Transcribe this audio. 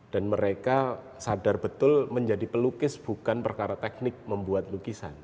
dan mereka sadar betul menjadi pelukis bukan perkara teknik membuat lukisan